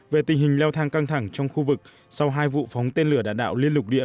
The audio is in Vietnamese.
về tình hình leo thang căng thẳng trong khu vực sau hai vụ phóng tên lửa đạn đạo liên lục địa